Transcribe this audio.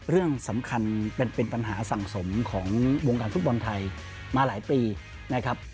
เรื่องสำคัญเป็นปัญหาสังสมของวงการฟุตบอลไทยมาหลายปีนะครับ